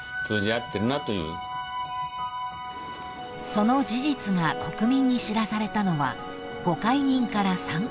［その事実が国民に知らされたのはご懐妊から３カ月］